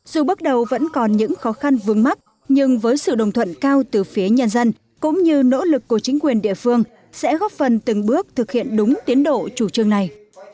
dù bước đầu vẫn còn những khó khăn vướng mắt nhưng với sự đồng thuận cao từ phía nhân dân cũng như nỗ lực của chính quyền địa phương sẽ góp phần từng bước thực hiện đúng tiến độ chủ trương này